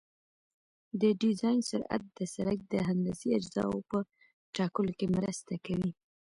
د ډیزاین سرعت د سرک د هندسي اجزاوو په ټاکلو کې مرسته کوي